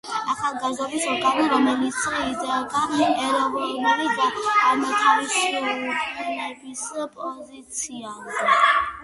ახალგაზრდობის ორგანო, რომელიც იდგა ეროვნული განთავისუფლების პოზიციაზე.